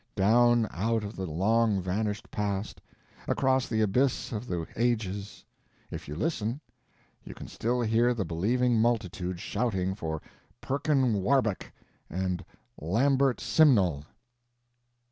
Down out of the long vanished past, across the abyss of the ages, if you listen, you can still hear the believing multitudes shouting for Perkin Warbeck and Lambert Simnel.